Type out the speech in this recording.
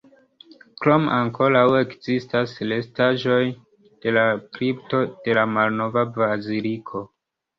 Krome ankoraŭ ekzistas restaĵoj de la kripto de la malnova baziliko.